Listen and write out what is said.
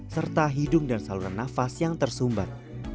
serta hidung dan saluran nafas yang tersumbat